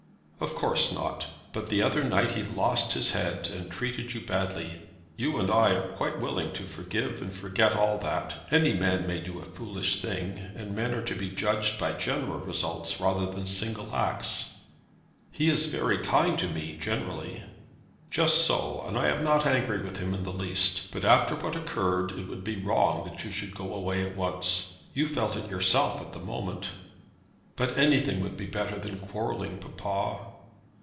"Of course not. But the other night he lost his head, and treated you badly. You and I are quite willing to forgive and forget all that. Any man may do a foolish thing, and men are to be judged by general results rather than single acts." "He is very kind to me generally." "Just so; and I am not angry with him in the least. But after what occurred it would be wrong that you should go away at once. You felt it yourself at the moment." "But anything would be better than quarrelling, papa."